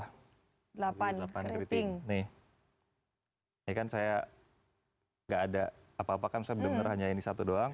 delapan arbitrary hai nih hai dan saya gak ada apa apa kan saya demi hanya ini satu doang